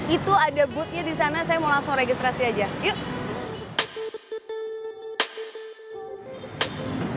itu ada boothnya di sana saya mau langsung registrasi aja yuk